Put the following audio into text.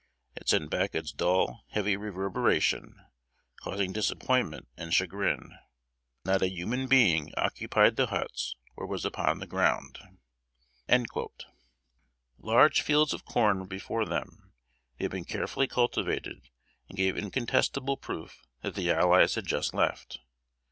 It sent back its dull heavy reverberation, causing disappointment and chagrin. Not a human being occupied the huts, or was upon the ground." Large fields of corn were before them; they had been carefully cultivated, and gave incontestable proof that the allies had just left.